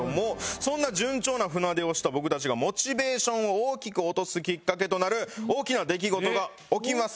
そんな順調な船出をした僕たちがモチベーションを大きく落とすきっかけとなる大きな出来事が起きます。